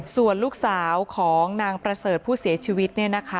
ส่วนลูกสาวของนางประเสริฐผู้เสียชีวิต